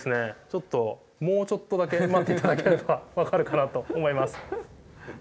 ちょっともうちょっとだけ待って頂ければ分かるかなと思います。